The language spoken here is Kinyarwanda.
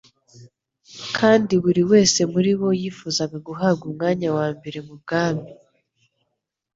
Kandi buri wese muri bo yifuzaga guhabwa umwanya wa mbere mu bwami.